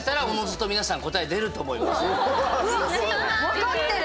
分かってる！